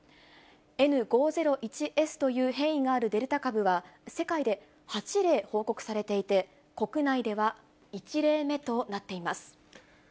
Ｎ５０１Ｓという変異があるデルタ株は、世界で８例報告されていて、国内では１例目となっています。